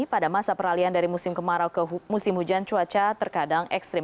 pada masa peralian dari musim kemarau ke musim hujan cuaca terkadang ekstrim